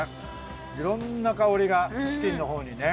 いろんな香りがチキンのほうにね。